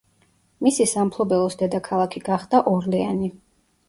მისი სამფლობელოს დედაქალაქი გახდა ორლეანი.